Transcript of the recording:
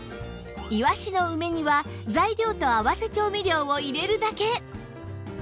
いわしの梅煮は食材と合わせ調味料を入れるだけ